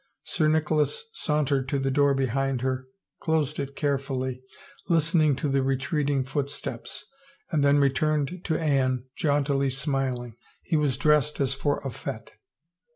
Sir Nicholas sauntered to the door behind her, closed it carefully, lis tening to the retreating footsteps, and then returned to Anne, jauntily smiling. He was dressed as for a fete.